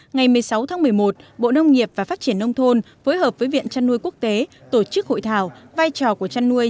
ngày một mươi sáu tháng một mươi một bộ nông nghiệp và phát triển nông thôn phối hợp với viện chăn nuôi quốc tế tổ chức hội thảo vai trò của chăn nuôi